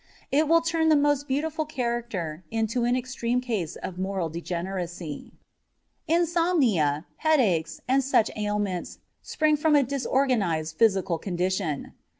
It will turn the most beautiful character into an extreme case of moral degeneracy. Insomnia, headaches, and such ailments spring from a disorganized physical condition.